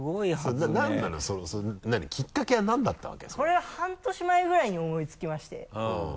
これは半年前ぐらいに思いつきまして。